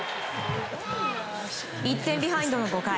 １点ビハインドの５回。